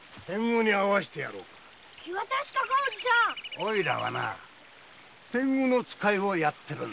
オイラは天狗の使いをやってるんだ。